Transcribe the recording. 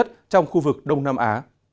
trong khu vực đông nam á